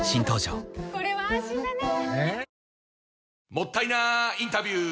もったいなインタビュー！